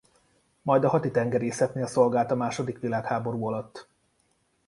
Majd a haditengerészetnél szolgált a második világháború alatt.